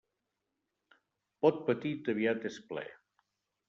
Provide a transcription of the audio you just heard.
Pot petit aviat és ple.